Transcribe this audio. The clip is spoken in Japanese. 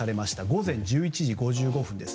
午前１１時５５分です。